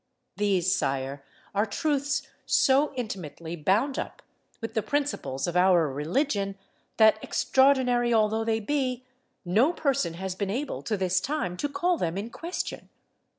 "These, sire, are truths so intimately bound up with the principles of our religion, that, extraordinary although they be, no person has been able to this time to call them in question.